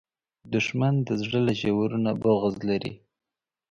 دښمن د زړه له ژورو نه بغض لري